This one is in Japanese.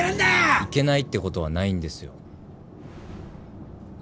いけないってことはないんですよ。